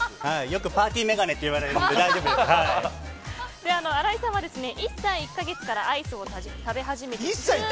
よくパーティー眼鏡って荒井さんは１歳１か月からアイスを食べ続けて。